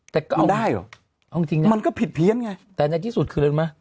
แต่ก็เอาได้เหรอเอาจริงนะมันก็ผิดเพี้ยนไงแต่ในที่สุดคืออะไรรู้ไหม